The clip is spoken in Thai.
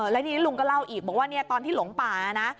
แล้วทีนี้ลุงก็เล่าอีกบอกว่าตอนที่หลงป่านะ